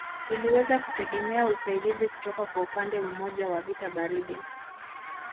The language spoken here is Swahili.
Iliweza kutegemea usaidizi kutoka kwa upande mmoja wa vita baridi